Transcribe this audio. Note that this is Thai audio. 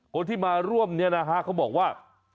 คนที่มาร่วมมันบอกว่า